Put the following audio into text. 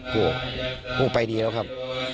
โก่ไปดีแล้วครับ